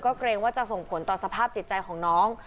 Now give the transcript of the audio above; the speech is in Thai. เกรงว่าจะส่งผลต่อสภาพจิตใจของน้อง